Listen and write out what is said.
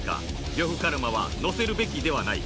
呂布カルマは載せるべきではない＃